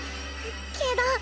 けど。